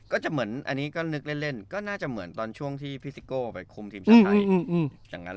ก็จะเหมือนอันนี้ก็นึกเล่นก็น่าจะเหมือนตอนช่วงที่พี่ซิโก้ไปคุมทีมชาติไทยอย่างนั้น